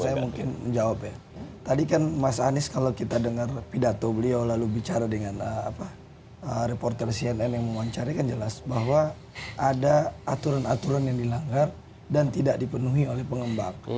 saya mungkin menjawab ya tadi kan mas anies kalau kita dengar pidato beliau lalu bicara dengan reporter cnn yang mewawancari kan jelas bahwa ada aturan aturan yang dilanggar dan tidak dipenuhi oleh pengembang